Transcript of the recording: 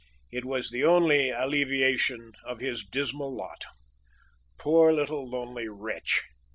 It was the only alleviation of his dismal lot. Poor little lonely wretch!